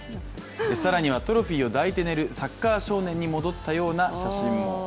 更にはトロフィーを抱いて寝る、サッカー少年に戻ったような写真も。